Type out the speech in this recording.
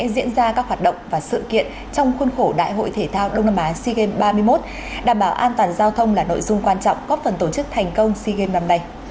đảm bảo an toàn giao thông là nội dung quan trọng góp phần tổ chức thành công sea games năm nay